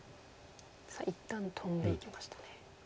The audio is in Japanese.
さあ一旦トンでいきましたね。